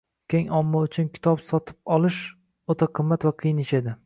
Keng omma uchun kitob sotib olish oʻta qimmat va qiyin ish edi.